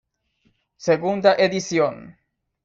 Segunda edición.